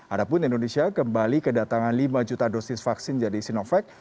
adapun indonesia kembali kedatangan lima juta dosis vaksin jadi sinovac